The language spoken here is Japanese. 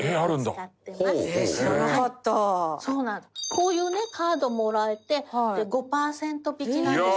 こういうねカードもらえて５パーセント引きなんです。